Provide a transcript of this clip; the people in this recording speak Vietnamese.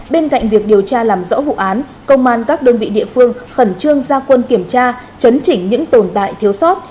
bên cạnh việc điều tra làm rõ vụ án công an các đơn vị địa phương khẩn trương ra quân kiểm tra chấn chỉnh những tồn tại thiếu sót